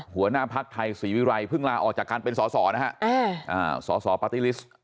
หัวหน้าภักดิ์ไทยศรีวิรัยเพิ่งลาออกจากการเป็นสอสอนะฮะสสปาร์ตี้ลิสต์